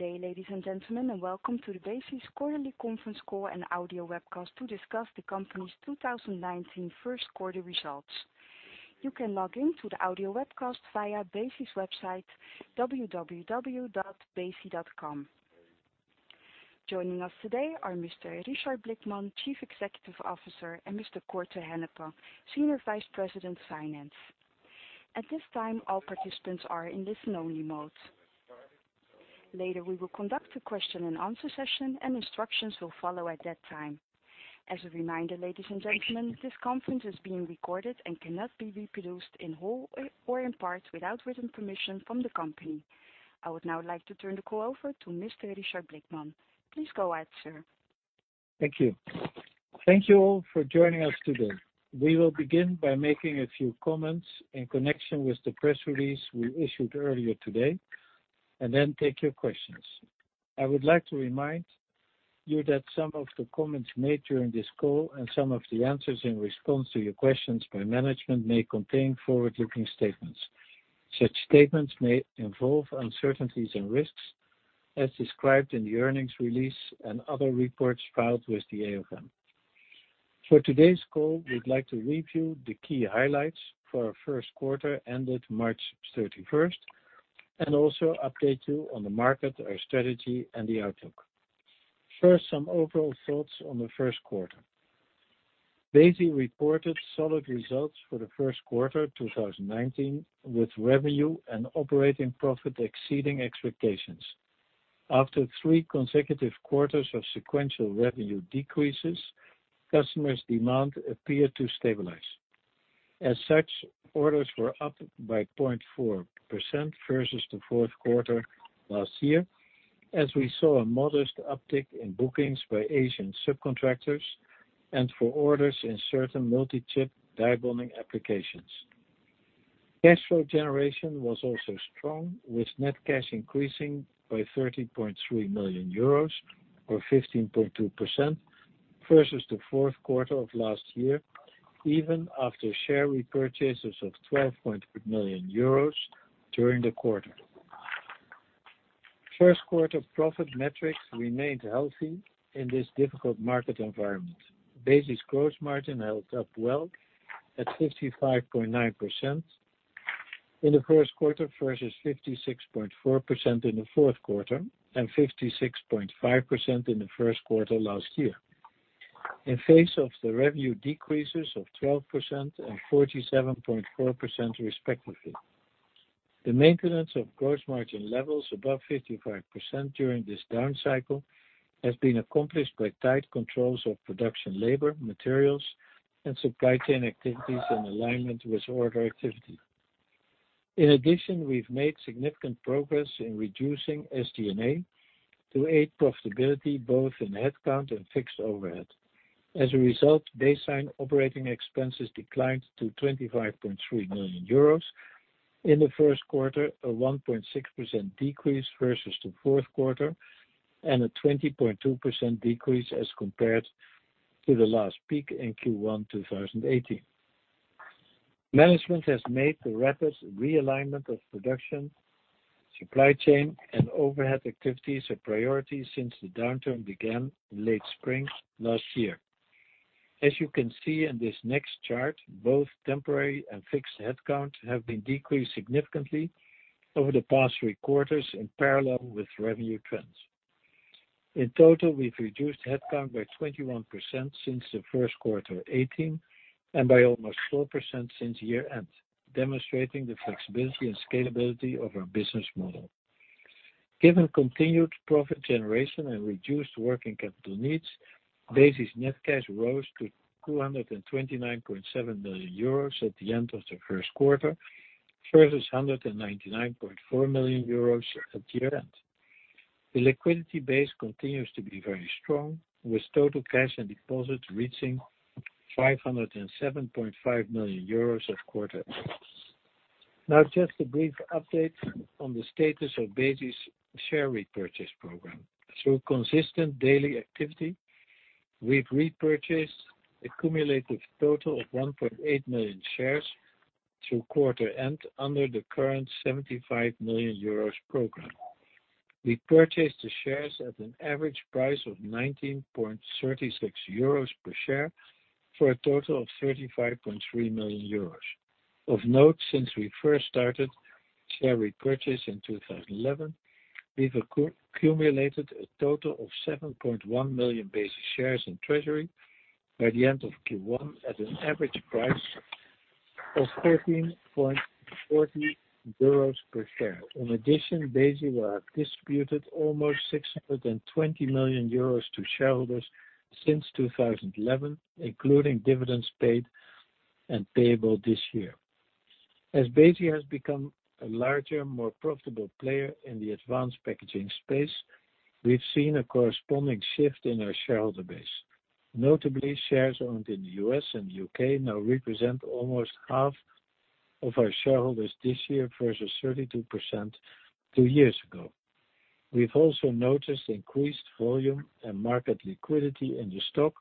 Good day, ladies and gentlemen, and welcome to the Besi's quarterly conference call and audio webcast to discuss the company's 2019 first quarter results. You can log in to the audio webcast via Besi's website, www.besi.com. Joining us today are Mr. Richard Blickman, Chief Executive Officer, and Mr. Cor te Hennepe, Senior Vice President, Finance. At this time, all participants are in listen-only mode. Later, we will conduct a question-and-answer session, and instructions will follow at that time. As a reminder, ladies and gentlemen, this conference is being recorded and cannot be reproduced in whole or in part without written permission from the company. I would now like to turn the call over to Mr. Richard Blickman. Please go ahead, sir. Thank you. Thank you all for joining us today. We will begin by making a few comments in connection with the press release we issued earlier today, and then take your questions. I would like to remind you that some of the comments made during this call and some of the answers in response to your questions by management may contain forward-looking statements. Such statements may involve uncertainties and risks as described in the earnings release and other reports filed with the AFM. For today's call, we'd like to review the key highlights for our first quarter ended March 31st, and also update you on the market, our strategy, and the outlook. First, some overall thoughts on the first quarter. Besi reported solid results for the first quarter 2019, with revenue and operating profit exceeding expectations. After three consecutive quarters of sequential revenue decreases, customers' demand appeared to stabilize. As such, orders were up by 0.4% versus the fourth quarter last year, as we saw a modest uptick in bookings by Asian subcontractors and for orders in certain multi-chip die bonding applications. Cash flow generation was also strong, with net cash increasing by 13.3 million euros, or 15.2% versus the fourth quarter of last year, even after share repurchases of 12.3 million euros during the quarter. First quarter profit metrics remained healthy in this difficult market environment. Besi's gross margin held up well at 55.9% in the first quarter, versus 56.4% in the fourth quarter and 56.5% in the first quarter last year. In face of the revenue decreases of 12% and 47.4% respectively. The maintenance of gross margin levels above 55% during this down cycle has been accomplished by tight controls of production labor, materials, and supply chain activities in alignment with order activity. In addition, we've made significant progress in reducing SG&A to aid profitability, both in headcount and fixed overhead. As a result, Besi operating expenses declined to 25.3 million euros in the first quarter, a 1.6% decrease versus the fourth quarter, and a 20.2% decrease as compared to the last peak in Q1 2018. Management has made the rapid realignment of production, supply chain, and overhead activities a priority since the downturn began in late spring last year. As you can see in this next chart, both temporary and fixed headcount have been decreased significantly over the past three quarters in parallel with revenue trends. In total, we've reduced headcount by 21% since the first quarter 2018, and by almost 4% since year-end, demonstrating the flexibility and scalability of our business model. Given continued profit generation and reduced working capital needs, Besi's net cash rose to 229.7 million euros at the end of the first quarter, versus 199.4 million euros at year-end. The liquidity base continues to be very strong, with total cash and deposits reaching 507.5 million euros at quarter end. Now, just a brief update on the status of Besi's share repurchase program. Through consistent daily activity, we've repurchased a cumulative total of 1.8 million shares through quarter end under the current 75 million euros program. We purchased the shares at an average price of 19.36 euros per share for a total of 35.3 million euros. Of note, since we first started share repurchase in 2011, we've accumulated a total of 7.1 million Besi shares in treasury by the end of Q1 at an average price of 13.40 euros per share. In addition, Besi will have distributed almost 620 million euros to shareholders since 2011, including dividends paid and payable this year. As Besi has become a larger, more profitable player in the advanced packaging space, we've seen a corresponding shift in our shareholder base. Notably, shares owned in the U.S. and U.K. now represent almost half of our shareholders this year versus 32% two years ago. We've also noticed increased volume and market liquidity in the stock,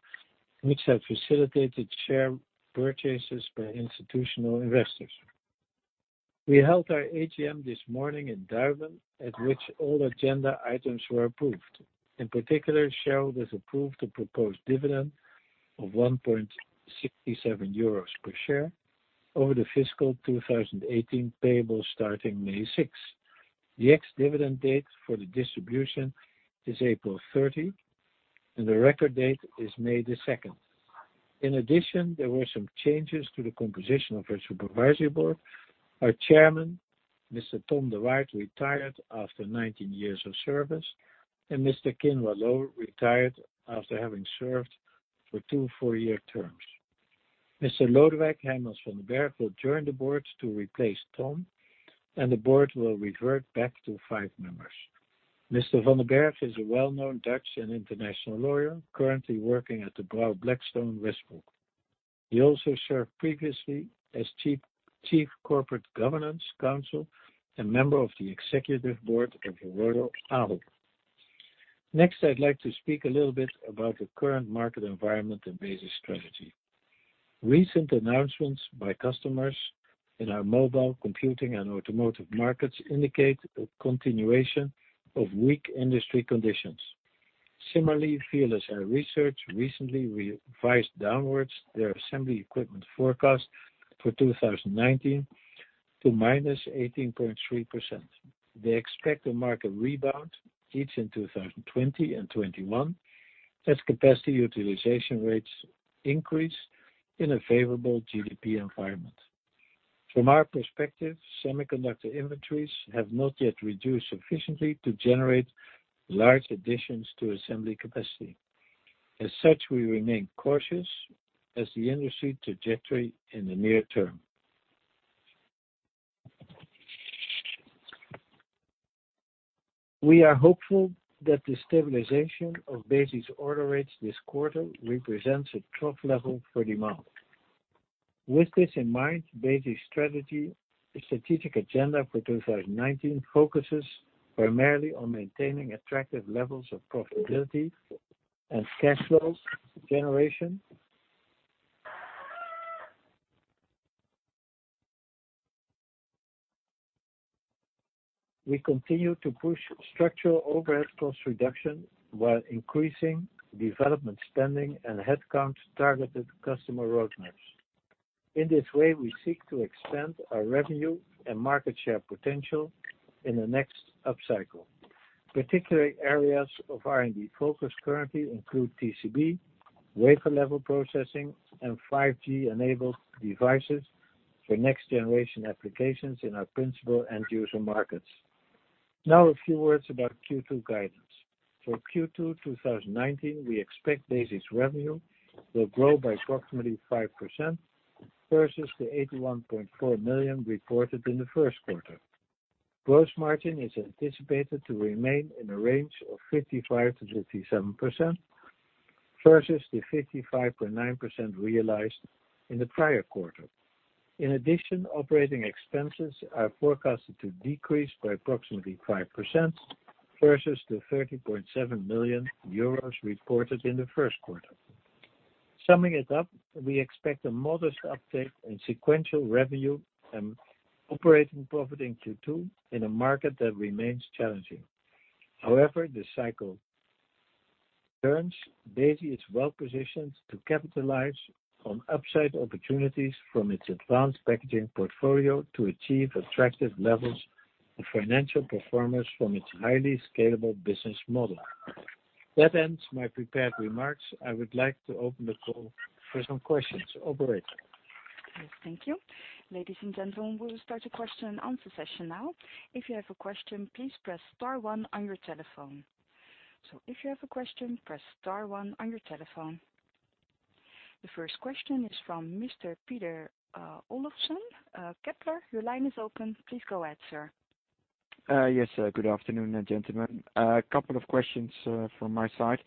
which have facilitated share purchases by institutional investors. We held our AGM this morning in Duiven, at which all agenda items were approved. In particular, shareholders approved the proposed dividend of 1.67 euros per share over the fiscal 2018 payable starting May 6. The ex-dividend date for the distribution is April 30, and the record date is May 2nd. In addition, there were some changes to the composition of our supervisory board. Our chairman, Mr. Tom de Waard, retired after 19 years of service, and Mr. Kin Wah Loh retired after having served for two four-year terms. Mr. Lodewijk Hijmans van den Bergh will join the board to replace Tom, and the board will revert back to five members. Mr. Van den Bergh is a well-known Dutch and international lawyer currently working at De Brauw Blackstone Westbroek. He also served previously as chief corporate governance counsel and member of the executive board of Royal Ahold. Next, I'd like to speak a little bit about the current market environment and Besi's strategy. Recent announcements by customers in our mobile computing and automotive markets indicate a continuation of weak industry conditions. Similarly, VLSI Research recently revised downwards their assembly equipment forecast for 2019 to –18.3%. They expect a market rebound each in 2020 and 2021 as capacity utilization rates increase in a favorable GDP environment. From our perspective, semiconductor inventories have not yet reduced sufficiently to generate large additions to assembly capacity. As such, we remain cautious as the industry trajectory in the near term. We are hopeful that the stabilization of Besi's order rates this quarter represents a trough level for demand. With this in mind, Besi's strategic agenda for 2019 focuses primarily on maintaining attractive levels of profitability and cash flows generation. We continue to push structural overhead cost reduction while increasing development spending and headcount targeted customer roadmaps. In this way, we seek to expand our revenue and market share potential in the next upcycle. Particular areas of R&D focus currently include TCB, wafer level processing, and 5G-enabled devices for next-generation applications in our principal end user markets. Now a few words about Q2 guidance. For Q2 2019, we expect Besi's revenue will grow by approximately 5% versus the 81.4 million reported in the first quarter. Gross margin is anticipated to remain in a range of 55%-57% versus the 55.9% realized in the prior quarter. In addition, operating expenses are forecasted to decrease by approximately 5% versus the 30.7 million euros reported in the first quarter. Summing it up, we expect a modest uptake in sequential revenue and operating profit in Q2 in a market that remains challenging. However, this cycle turns, Besi is well-positioned to capitalize on upside opportunities from its advanced packaging portfolio to achieve attractive levels of financial performance from its highly scalable business model. That ends my prepared remarks. I would like to open the call for some questions. Operator? Yes, thank you. Ladies and gentlemen, we will start the question and answer session now. If you have a question, please press star one on your telephone. If you have a question, press star one on your telephone. The first question is from Mr. Peter Olofsen, Kepler Cheuvreux. Your line is open. Please go ahead, sir. Yes. Good afternoon, gentlemen. A couple of questions from my side.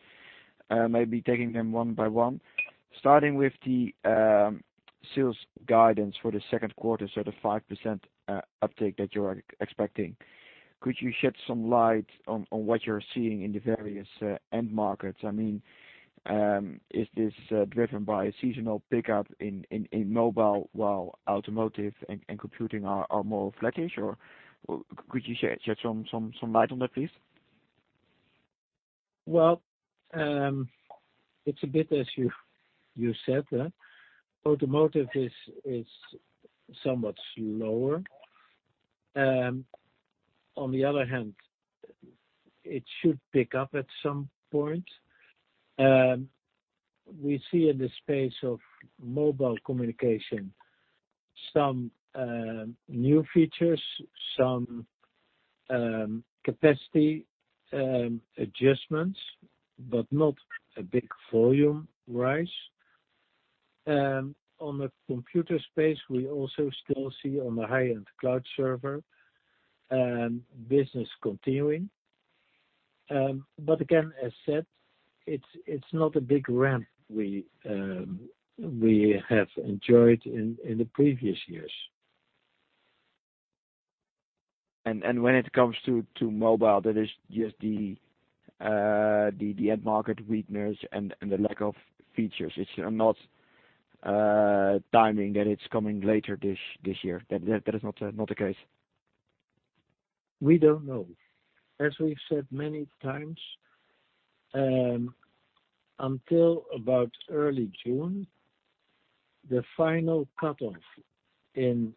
Maybe taking them one by one, starting with the sales guidance for the second quarter, the 5% uptake that you are expecting. Could you shed some light on what you are seeing in the various end markets? I mean, is this driven by a seasonal pickup in mobile, while automotive and computing are more flattish, or could you shed some light on that, please? Well, it is a bit as you said. Automotive is somewhat lower. On the other hand, it should pick up at some point. We see in the space of mobile communication some new features, some capacity adjustments, but not a big volume rise. On the computer space, we also still see on the high-end cloud server business continuing. Again, as said, it is not a big ramp we have enjoyed in the previous years. When it comes to mobile, that is just the end market weakness and the lack of features. It is not timing that it is coming later this year. That is not the case? We do not know. As we have said many times, until about early June, the final cutoff in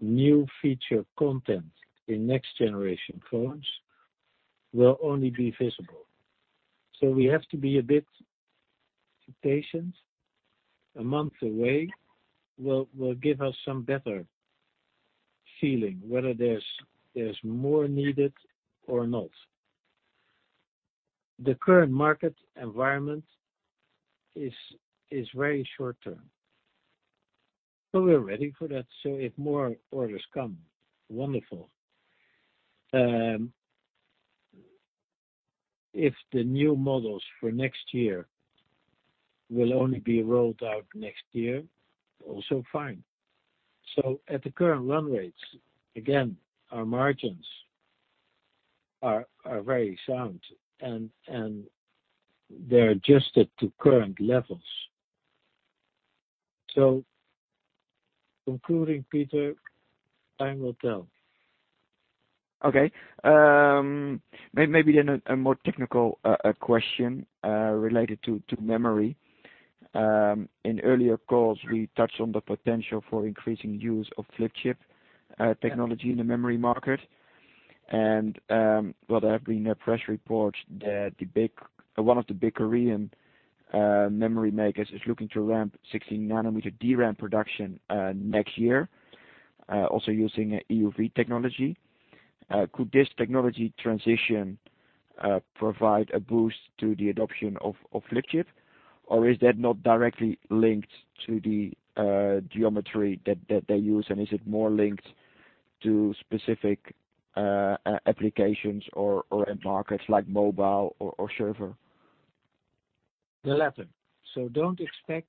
new feature content in next-generation phones will only be visible. We have to be a bit patient. A month away will give us some better feeling whether there is more needed or not. The current market environment is very short-term. We are ready for that, so if more orders come, wonderful. If the new models for next year will only be rolled out next year, also fine. At the current run rates, again, our margins are very sound, and they are adjusted to current levels. Concluding, Peter, time will tell. Okay. Maybe a more technical question related to memory. In earlier calls, we touched on the potential for increasing use of flip-chip technology in the memory market. There have been press reports that one of the big Korean memory makers is looking to ramp 16 nanometer DRAM production next year, also using EUV technology. Could this technology transition provide a boost to the adoption of flip-chip? Is that not directly linked to the geometry that they use, and is it more linked to specific applications or end markets like mobile or server? The latter. Do not expect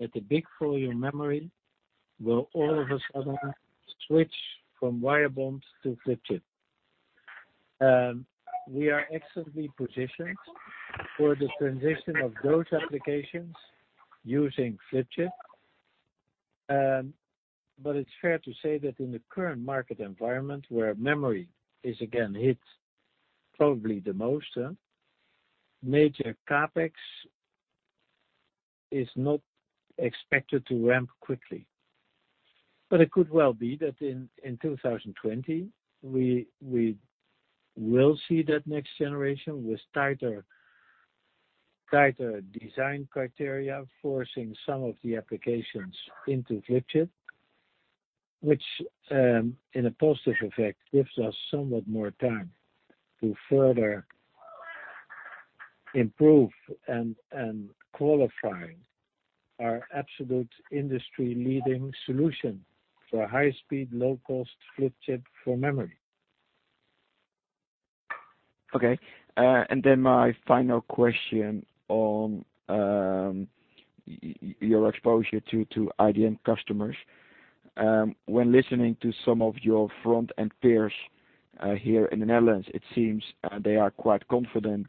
that the big volume memory will all of a sudden switch from wire bond to flip-chip. We are excellently positioned for the transition of those applications using flip-chip. It is fair to say that in the current market environment, where memory is again hit probably the most, major CapEx is not expected to ramp quickly. It could well be that in 2020, we will see that next generation with tighter design criteria, forcing some of the applications into flip-chip, which, in a positive effect, gives us somewhat more time to further improve and qualify our absolute industry-leading solution for high-speed, low-cost flip-chip for memory. Okay. My final question on your exposure to IDM customers. When listening to some of your front-end peers here in the Netherlands, it seems they are quite confident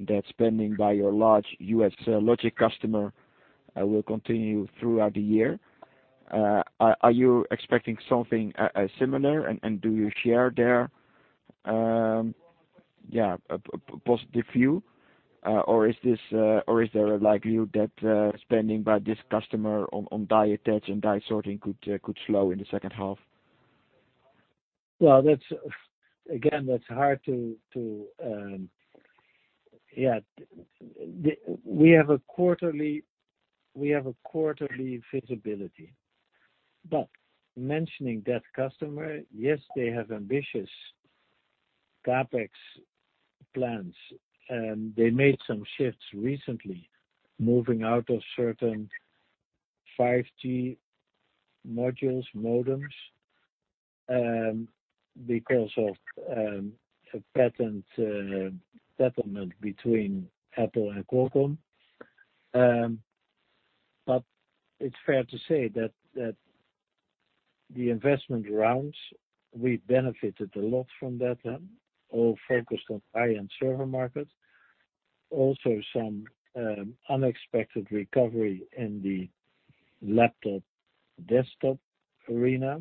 that spending by your large U.S. logic customer will continue throughout the year. Are you expecting something similar, and do you share their positive view, or is there a likelihood that spending by this customer on die attach and die sorting could slow in the second half? Well, again, we have a quarterly visibility. Mentioning that customer, yes, they have ambitious CapEx plans. They made some shifts recently, moving out of certain 5G modules, modems, because of a patent settlement between Apple and Qualcomm. It's fair to say that the investment rounds, we benefited a lot from that. All focused on high-end server markets. Also, some unexpected recovery in the laptop, desktop arena.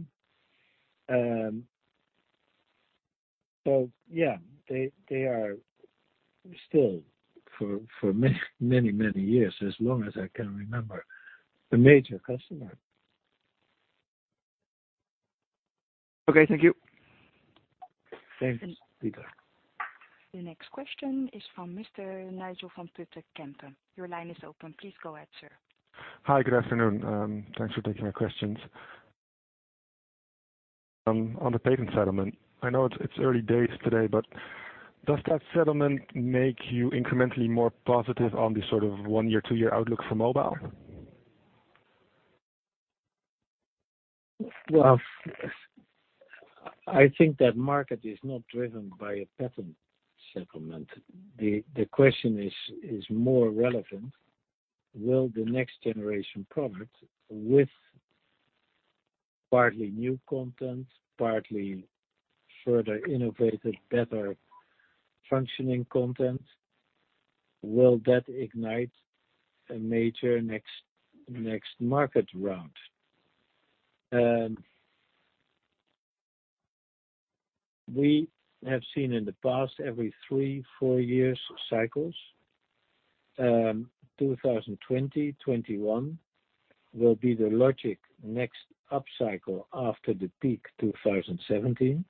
Yeah, they are still, for many, many years, as long as I can remember, a major customer. Okay. Thank you. Thanks, Peter. The next question is from Mr. Nigel van Putten. Your line is open. Please go ahead, sir. Hi. Good afternoon. Thanks for taking my questions. On the patent settlement, I know it's early days today, but does that settlement make you incrementally more positive on the sort of one-year, two-year outlook for mobile? Well, I think that market is not driven by a patent settlement. The question is more relevant. Will the next generation product, with partly new content, partly further innovative, better functioning content, will that ignite a major next market round? We have seen in the past, every three, four years cycles. 2020, 2021 will be the logic next upcycle after the peak 2017.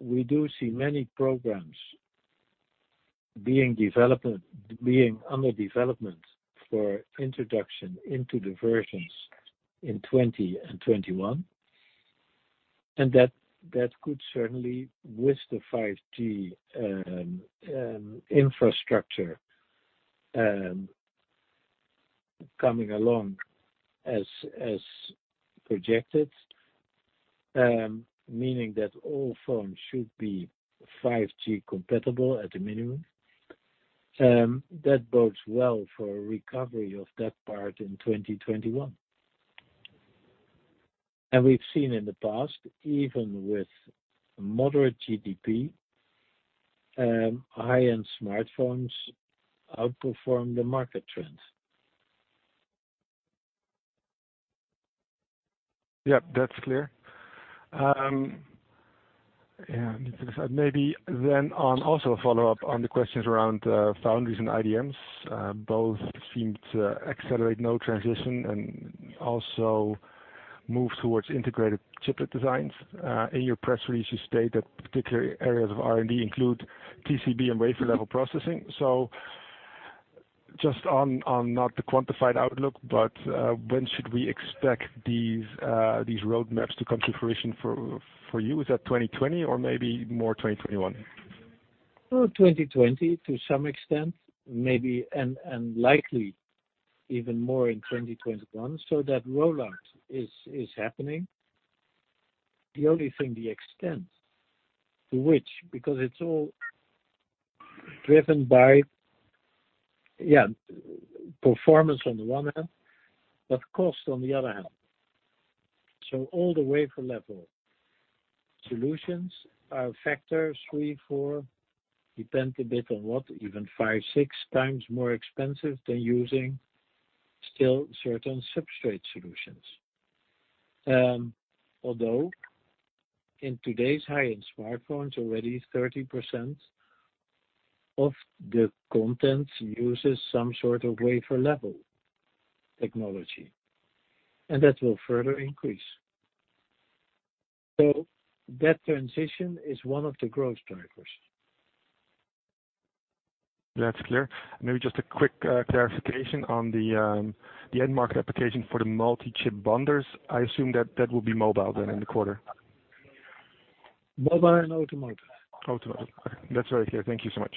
We do see many programs being under development for introduction into the versions in 2020 and 2021. That could certainly, with the 5G infrastructure coming along as projected, meaning that all phones should be 5G compatible at the minimum. That bodes well for a recovery of that part in 2021. We've seen in the past, even with moderate GDP, high-end smartphones outperform the market trends. Yep, that's clear. Because maybe then on also a follow-up on the questions around, foundries and IDMs, both seem to accelerate node transition and also move towards integrated chiplet designs. In your press release, you state that particular areas of R&D include TCB and wafer level processing. Just on not the quantified outlook, but when should we expect these roadmaps to come to fruition for you? Is that 2020 or maybe more 2021? 2020 to some extent, maybe and likely even more in 2021. That rollout is happening. The only thing, the extent to which, because it's all driven by performance on the one hand, but cost on the other hand. All the wafer-level solutions are a factor three, four, depends a bit on what, even five, six times more expensive than using still certain substrate solutions. Although, in today's high-end smartphones, already 30% of the content uses some sort of wafer-level technology, and that will further increase. That transition is one of the growth drivers. That's clear. Maybe just a quick clarification on the end market application for the multi-chip bonders. I assume that will be mobile then in the quarter. Mobile and automotive. Automotive. That's very clear. Thank you so much.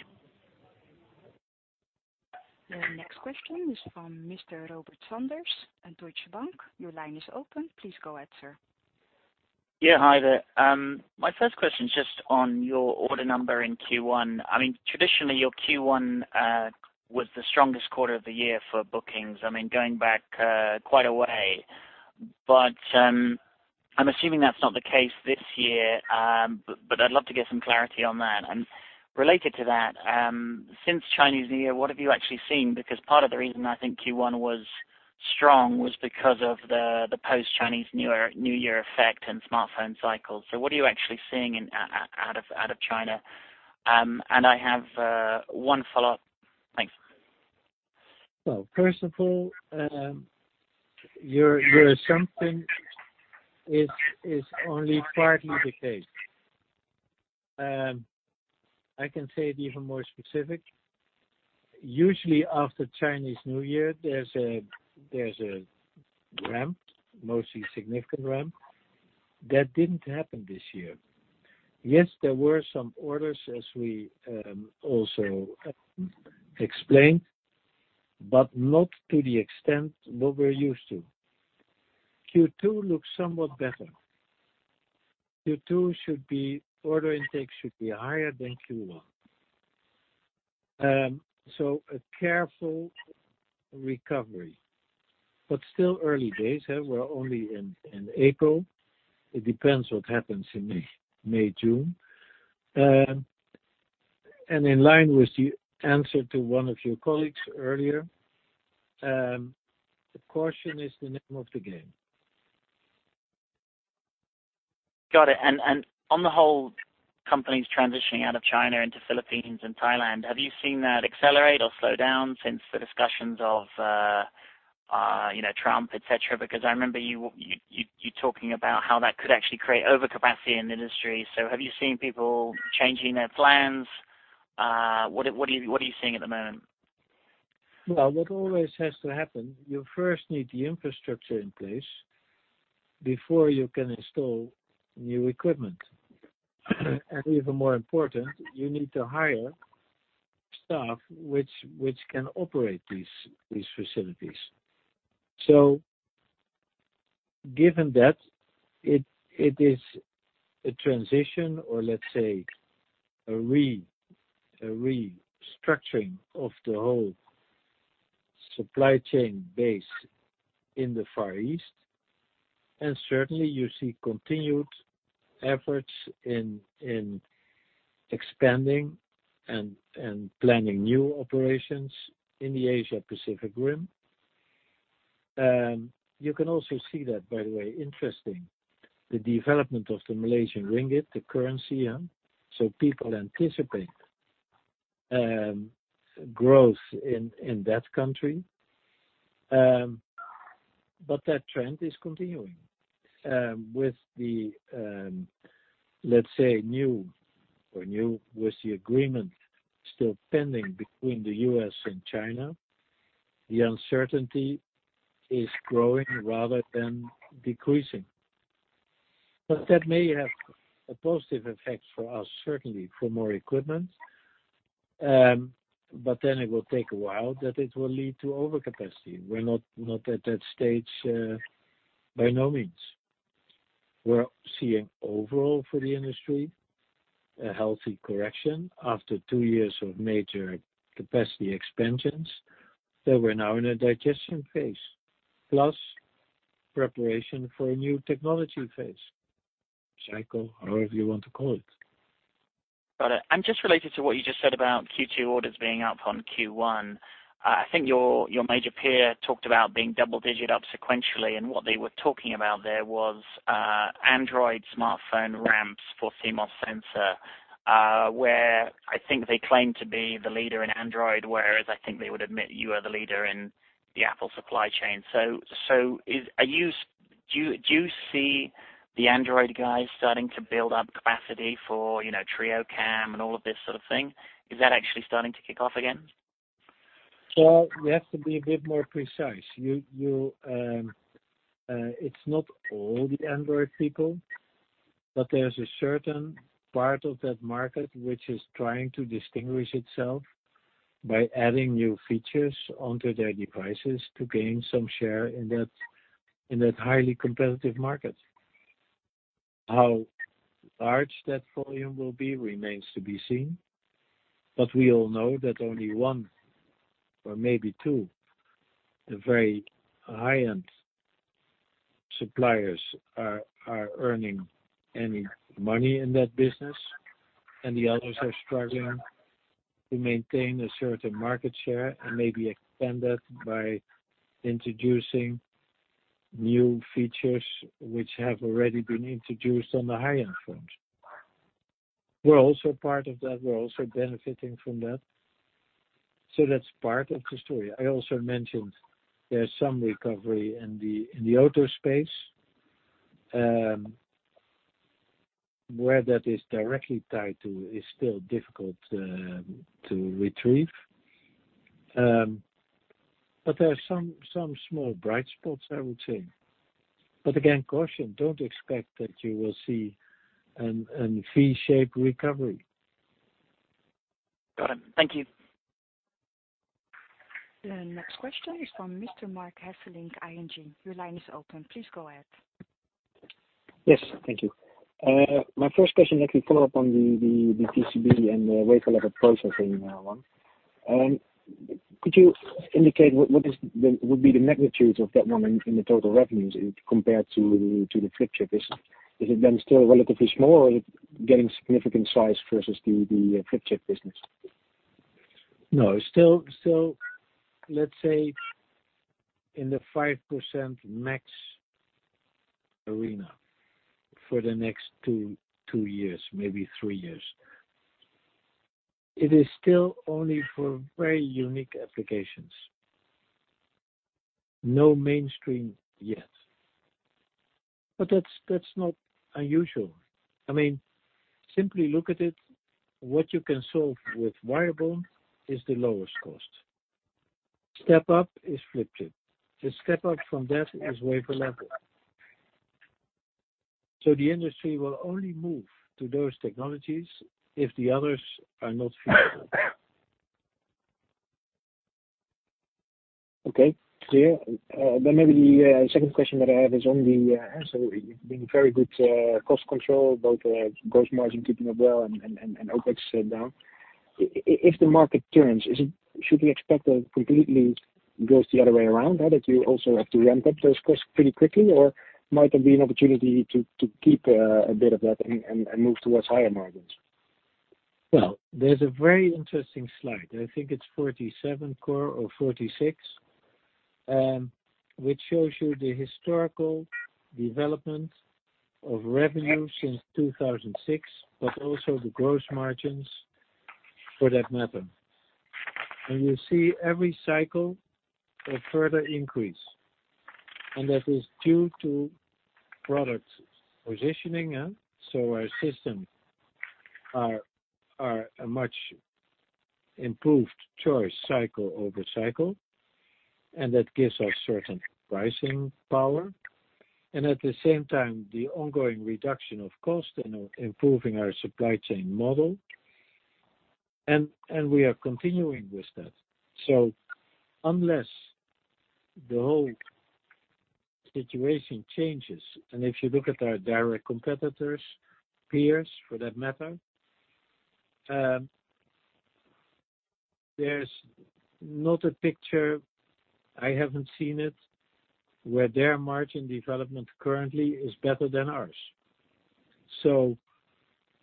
The next question is from Mr. Robert Sanders at Deutsche Bank. Your line is open. Please go ahead, sir. Hi there. My first question is just on your order number in Q1. Traditionally, your Q1 was the strongest quarter of the year for bookings, going back quite a way. I'm assuming that's not the case this year, but I'd love to get some clarity on that. Related to that, since Chinese New Year, what have you actually seen? Because part of the reason I think Q1 was strong was because of the post-Chinese New Year effect and smartphone cycles. What are you actually seeing out of China? I have one follow-up. Thanks. First of all, your assumption is only partly the case. I can say it even more specific. Usually after Chinese New Year, there's a ramp, mostly significant ramp. That didn't happen this year. Yes, there were some orders, as we also explained, but not to the extent what we're used to. Q2 looks somewhat better. Q2 order intake should be higher than Q1. A careful recovery, but still early days. We're only in April. It depends what happens in May, June. In line with the answer to one of your colleagues earlier, caution is the name of the game. Got it. On the whole, companies transitioning out of China into Philippines and Thailand, have you seen that accelerate or slow down since the discussions of Trump, et cetera? Because I remember you talking about how that could actually create overcapacity in the industry. Have you seen people changing their plans? What are you seeing at the moment? What always has to happen, you first need the infrastructure in place before you can install new equipment. Even more important, you need to hire staff which can operate these facilities. Given that it is a transition, or let's say, a restructuring of the whole supply chain base in the Far East, certainly you see continued efforts in expanding and planning new operations in the Asia-Pacific Rim. You can also see that, by the way, interesting, the development of the Malaysian ringgit, the currency. People anticipate growth in that country. That trend is continuing with the, let's say, new or new with the agreement still pending between the U.S. and China. The uncertainty is growing rather than decreasing. That may have a positive effect for us, certainly for more equipment, then it will take a while that it will lead to overcapacity. We're not at that stage, by no means. We're seeing overall for the industry, a healthy correction after two years of major capacity expansions, that we're now in a digestion phase, plus preparation for a new technology phase cycle, however you want to call it. Got it. Just related to what you just said about Q2 orders being up on Q1, I think your major peer talked about being double-digit up sequentially, what they were talking about there was Android smartphone ramps for CMOS sensor, where I think they claim to be the leader in Android, whereas I think they would admit you are the leader in the Apple supply chain. Do you see the Android guys starting to build up capacity for triple cam and all of this sort of thing? Is that actually starting to kick off again? Well, you have to be a bit more precise. It's not all the Android people, there's a certain part of that market which is trying to distinguish itself by adding new features onto their devices to gain some share in that highly competitive market. How large that volume will be remains to be seen, we all know that only one or maybe two, the very high-end suppliers are earning any money in that business, the others are struggling to maintain a certain market share and maybe expand that by introducing new features which have already been introduced on the high-end phones. We're also part of that. We're also benefiting from that. That's part of the story. I also mentioned there's some recovery in the auto space. Where that is directly tied to is still difficult to retrieve. There are some small bright spots, I would say. Again, caution. Don't expect that you will see an V-shaped recovery. Got it. Thank you. The next question is from Mr. Marc Hesselink, ING. Your line is open. Please go ahead. Thank you. My first question actually follow up on the TCB and the wafer-level processing one. Could you indicate what would be the magnitude of that one in the total revenues compared to the flip-chip business? Is it then still relatively small, or is it getting significant size versus the flip-chip business? No, still, let's say, in the 5% max arena for the next two years, maybe three years. It is still only for very unique applications. No mainstream yet. That's not unusual. I mean, simply look at it, what you can solve with wire bond is the lowest cost. Step up is flip-chip. The step up from that is wafer-level. The industry will only move to those technologies if the others are not feasible. Okay, clear. Maybe the second question that I have is on the absolutely been very good cost control, both gross margin keeping up well and OpEx down. If the market turns, should we expect a completely goes the other way around, that you also have to ramp up those costs pretty quickly? Or might there be an opportunity to keep a bit of that and move towards higher margins? Well, there's a very interesting slide, I think it's 47 or 46, which shows you the historical development of revenue since 2006, but also the gross margins for that matter. You see every cycle a further increase, and that is due to product positioning. Our systems are a much improved choice cycle over cycle, and that gives us certain pricing power. At the same time, the ongoing reduction of cost and improving our supply chain model. We are continuing with that. Unless the whole situation changes, and if you look at our direct competitors, peers, for that matter, there's not a picture, I haven't seen it, where their margin development currently is better than ours.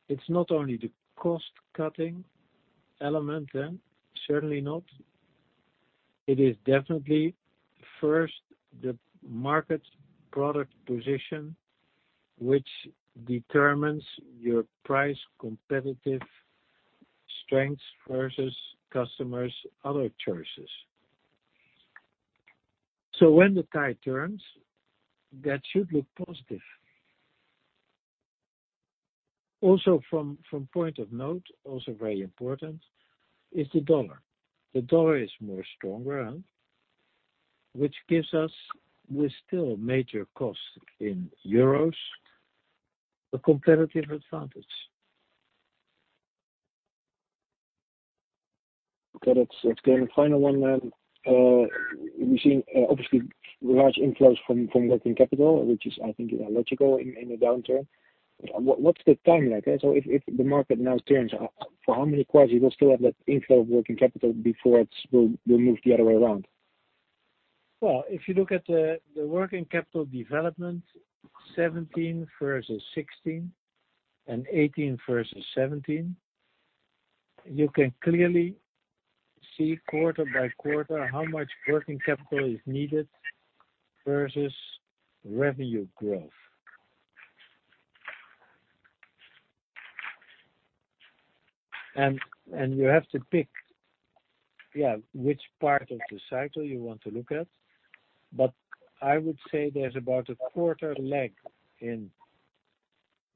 It's not only the cost-cutting element then, certainly not. It is definitely first the market product position which determines your price competitive strengths versus customers' other choices. When the tide turns, that should look positive. Also from point of note, also very important, is the dollar. The dollar is more stronger, which gives us, with still major costs in euros, a competitive advantage. Okay. That's clear. Final 1 then. We've seen obviously large inflows from working capital, which is, I think, logical in a downturn. What's the timeline? If the market now turns, for how many quarters you will still have that inflow of working capital before it will move the other way around? If you look at the working capital development 2017 versus 2016 and 2018 versus 2017, you can clearly see quarter by quarter how much working capital is needed versus revenue growth. You have to pick which part of the cycle you want to look at. I would say there's about a quarter lag in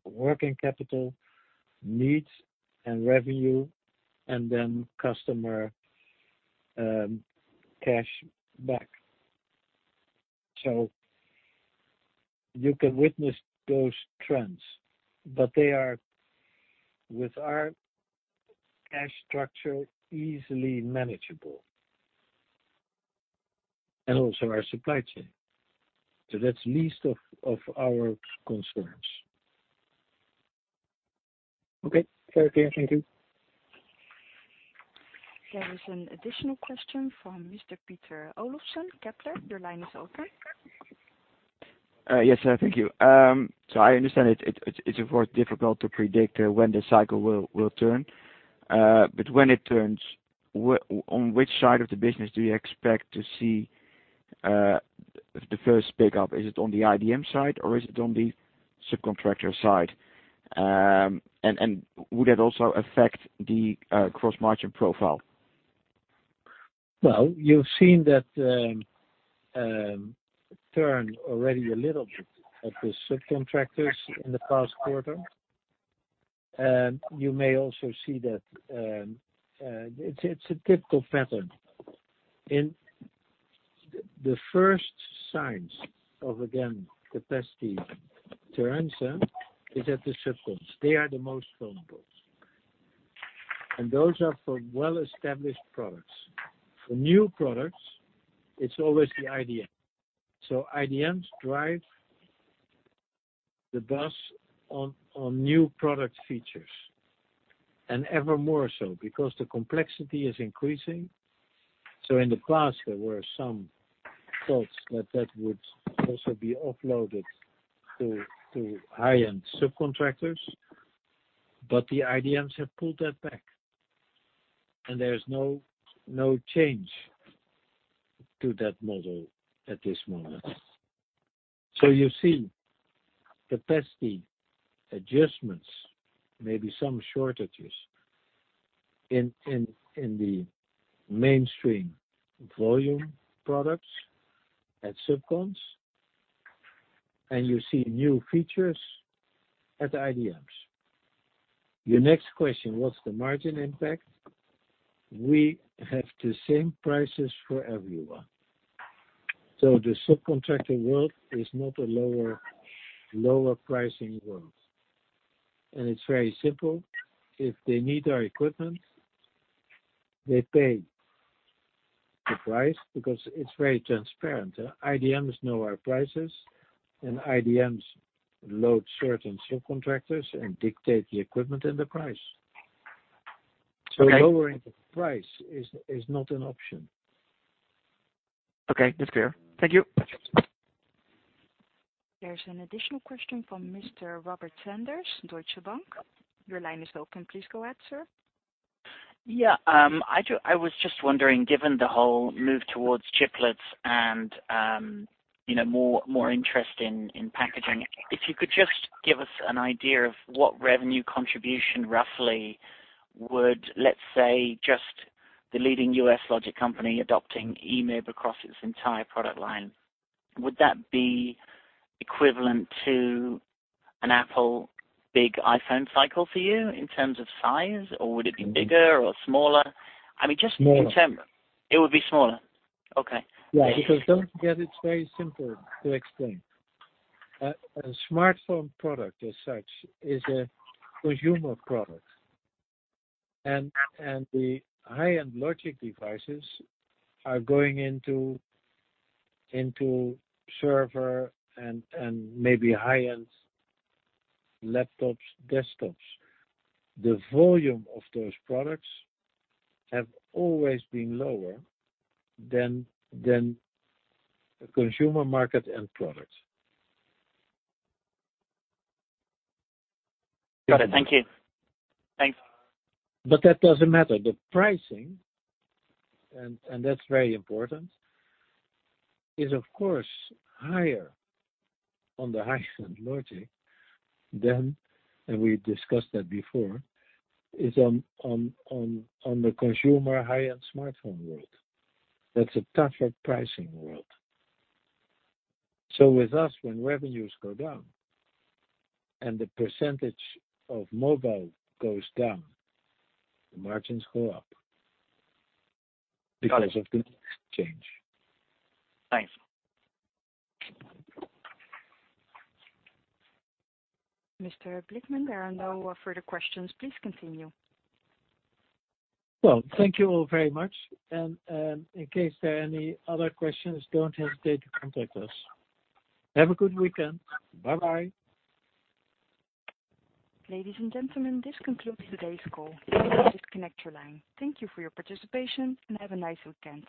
working capital needs and revenue, and then customer cash back. You can witness those trends, but they are, with our cash structure, easily manageable. Also our supply chain. That's least of our concerns. Okay. Very clear. Thank you. There is an additional question from Mr. Peter Olofsen, Kepler. Your line is open. Yes, thank you. I understand it's, of course, difficult to predict when the cycle will turn. When it turns, on which side of the business do you expect to see the first pickup? Is it on the IDM side, or is it on the subcontractor side? Would that also affect the gross margin profile? Well, you've seen that turn already a little bit at the subcontractors in the past quarter. You may also see that it's a typical pattern. In the first signs of, again, capacity turns, is at the subcons. They are the most vulnerable. Those are for well-established products. For new products, it's always the IDM. IDMs drive the bus on new product features, and ever more so because the complexity is increasing. In the past, there were some thoughts that that would also be offloaded to high-end subcontractors, the IDMs have pulled that back, and there's no change to that model at this moment. You see capacity adjustments, maybe some shortages in the mainstream volume products at subcons, and you see new features at IDMs. Your next question, what's the margin impact? We have the same prices for everyone. The subcontractor world is not a lower pricing world. It's very simple. If they need our equipment, they pay the price because it's very transparent. IDMs know our prices, and IDMs load certain subcontractors and dictate the equipment and the price. Okay. Lowering the price is not an option. Okay. That's clear. Thank you. There is an additional question from Mr. Robert Sanders, Deutsche Bank. Your line is open. Please go ahead, sir. Yeah. I was just wondering, given the whole move towards chiplets and more interest in packaging, if you could just give us an idea of what revenue contribution roughly would, let's say, just the leading U.S. logic company adopting EMIB across its entire product line, would that be equivalent to an Apple big iPhone cycle for you in terms of size, or would it be bigger or smaller? I mean, Smaller. It would be smaller. Okay. Yeah. Don't forget, it's very simple to explain. A smartphone product as such is a consumer product. The high-end logic devices are going into server and maybe high-end laptops, desktops. The volume of those products have always been lower than consumer market-end products. Got it. Thank you. Thanks. That doesn't matter. The pricing, and that's very important, is of course higher on the high-end logic than, and we discussed that before, is on the consumer high-end smartphone world. That's a tougher pricing world. With us, when revenues go down and the percentage of mobile goes down, the margins go up. Got it. because of the mix change. Thanks. Mr. Blickman, there are no further questions. Please continue. Well, thank you all very much. In case there are any other questions, don't hesitate to contact us. Have a good weekend. Bye-bye. Ladies and gentlemen, this concludes today's call. You may disconnect your line. Thank you for your participation, and have a nice weekend.